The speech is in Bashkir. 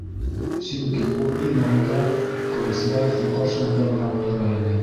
Сөнки ул иң алда, Ҡылысбаевтың ҡаршыһында ғына, тора ине.